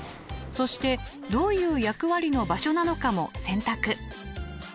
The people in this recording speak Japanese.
そしてどういう役割の場所なのかも選択。